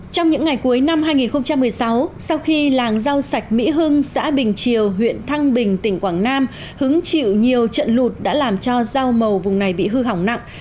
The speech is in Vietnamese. trong những ngày cuối năm hai nghìn một mươi sáu sau khi làng rau sạch mỹ hưng xã bình triều huyện thăng bình tỉnh quảng nam hứng chịu nhiều trận lụt đã làm cho rau màu vùng này bị hư hỏng nặng